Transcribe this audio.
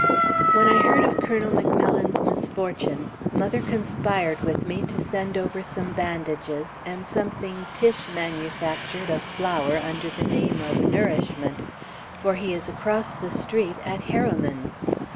When I heard of Colonel McMillan's misfortune, mother conspired with me to send over some bandages, and something Tiche manufactured of flour under the name of "nourishment," for he is across the street at Heroman's.